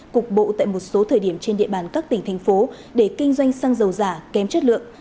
cục bộ tại một số thời điểm trên địa bàn các tỉnh thành phố để kinh doanh xăng dầu giả kém chất lượng